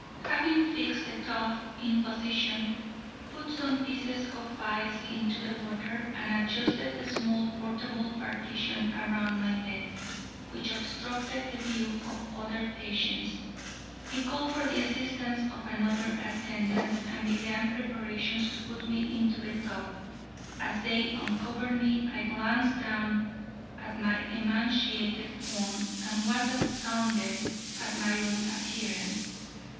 Having fixed the tub in position, put some pieces of ice into the water, and adjusted a small portable partition around my bed, which obstructed the view of the other patients, he called for the assistance of another attendant, and began preparations to put me into the tub. As they uncovered me, I glanced down at my emaciated form and was astounded at my own appearance.